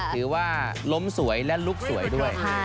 ถือว่าล้มสวยและลุกสวยด้วย